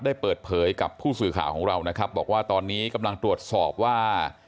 ได้เปิดเผยกับผู้สื่อข่าวของเรานะครับบอกว่าตอนนี้กำลังตรวจสอบว่า